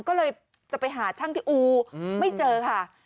ก็เลยจะไปหาช่างที่อูไม่เจอค่ะ